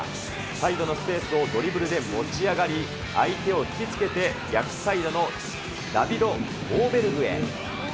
サイドのスペースをドリブルで持ち上がり、相手を引き付けて、逆サイドのダヴィドモーベルグへ。